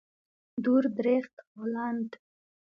دور درېخت هالنډ.